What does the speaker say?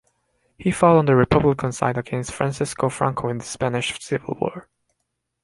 He fought on the Republican side against Francisco Franco in the Spanish Civil War.